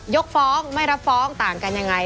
ยกฟ้องไม่รับฟ้องต่างกันยังไง